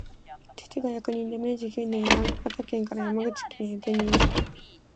父が役人で、明治九年、山形県から山口県へ転任した